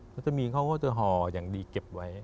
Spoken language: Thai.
เขาจะมีเขาก็จะห่ออย่างดีเก็บไว้